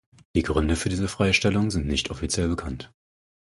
Die Gründe für diese Freistellung sind nicht offiziell bekannt.